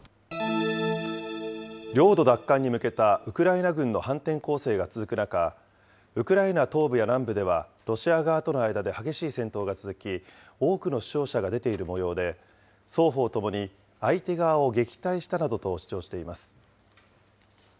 領土奪還に向けたウクライナ軍の反転攻勢が続く中、ウクライナ東部や南部では、ロシア側との間で激しい戦闘が続き、多くの死傷者が出ているもようで、双方ともに相手側を撃退したなどと主張しています。